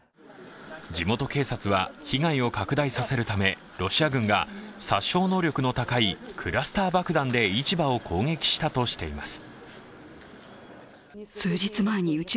地元警察は被害を拡大させるためロシア軍が殺傷能力の高いクラスター爆弾で市場を攻撃したとしています。